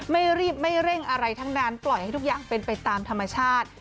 ไม่รีบไม่เร่งอะไรทั้งนั้นปล่อยให้ทุกอย่างเป็นไปตามธรรมชาติ